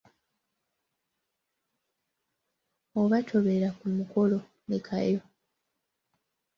Oba tobeera ku mukolo lekayo.